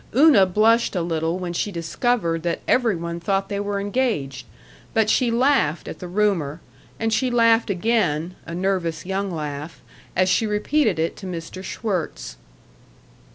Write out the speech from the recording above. Una blushed a little when she discovered that every one thought they were engaged, but she laughed at the rumor, and she laughed again, a nervous young laugh, as she repeated it to Mr. Schwirtz.